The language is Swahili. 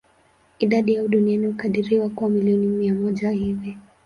Idadi yao duniani hukadiriwa kuwa milioni mia moja hivi.